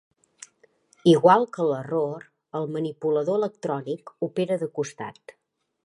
Igual que l'error, el manipulador electrònic opera de costat.